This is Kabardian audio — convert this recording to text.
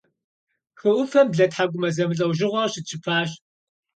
Хы ӏуфэм блэтхьэкӏумэ зэмылӏэужьыгъуэ къыщытщыпащ.